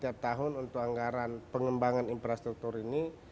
setiap tahun untuk anggaran pengembangan infrastruktur ini